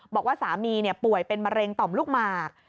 บอกว่าสามีป่วยเป็นมะเร็งต่อมลูกหมาก